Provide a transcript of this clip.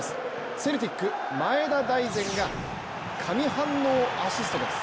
セルティック・前田大然が神反応アシストです。